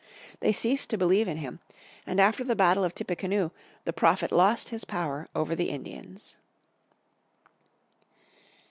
They ceased to believe in him, and after the battle of Tippecanoe the Prophet lost his power over the Indians.